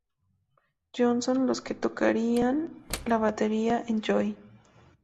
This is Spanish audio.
Johnson los que tocarían la batería en "Joy".